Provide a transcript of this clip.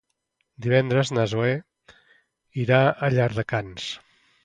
Divendres na Zoè irà a Llardecans.